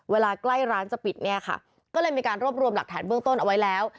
เวลาใกล้ร้านจะปิดเนี่ยค่ะก็เลยมีการรวบรวมหลักฐานเบื้องต้นเอาไว้แล้ว